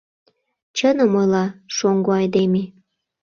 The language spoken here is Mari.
Чыным ойла шоҥго айдеме...